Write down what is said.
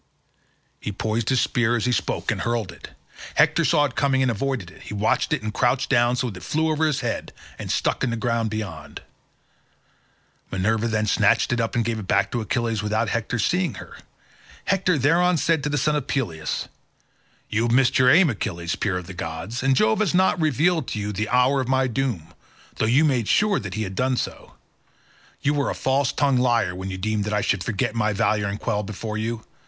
He poised his spear as he spoke and hurled it. Hector saw it coming and avoided it; he watched it and crouched down so that it flew over his head and stuck in the ground beyond; Minerva then snatched it up and gave it back to Achilles without Hector's seeing her; Hector thereon said to the son of Peleus, "You have missed your aim, Achilles, peer of the gods, and Jove has not yet revealed to you the hour of my doom, though you made sure that he had done so. You were a false tongued liar when you deemed that I should forget my valour and quail before you.